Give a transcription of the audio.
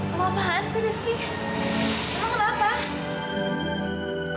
kenapaan sih gigi kamu kenapa